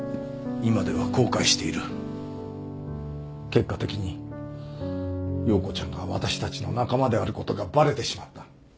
結果的に葉子ちゃんが私たちの仲間であることがバレてしまった。